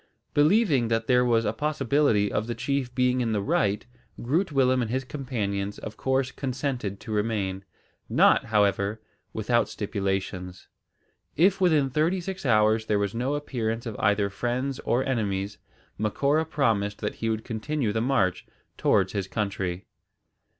Believing that there was a possibility of the chief being in the right, Groot Willem and his companions of course consented to remain; not, however, without stipulations. If within thirty six hours there was no appearance of either friends or enemies, Macora promised that he would continue the march towards his country.